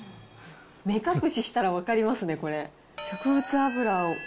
目隠ししたら分かりますね、これ。